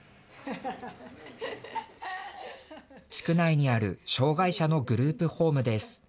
地区内にある障害者のグループホームです。